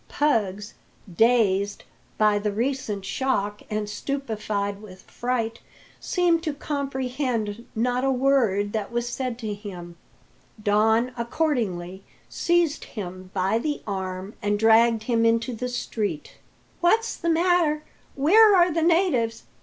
Puggs, dazed "by the recent shock, and stupefied with fright, seemed to comprehend not a word that was said to him. Don accordingly seized him by the arm and dragged him into the street. "What's the matter? Where are the natives?"